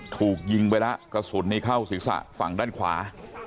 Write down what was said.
ถูกยิงไปแล้วกระสุนให้เข้าศิษย์ศาสตร์ฝั่งด้านขวา